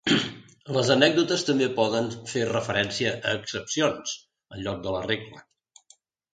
Les anècdotes també poden fer referència a excepcions, en lloc de la regla.